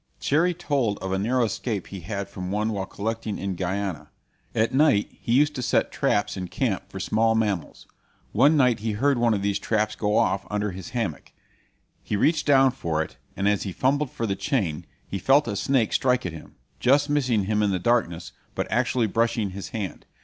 Cherrie told of a narrow escape he had from one while collecting in Guiana. At night he used to set traps in camp for small mammals. One night he heard one of these traps go off under his hammock. He reached down for it, and as he fumbled for the chain he felt a snake strike at him, just missing him in the darkness, but actually brushing his hand.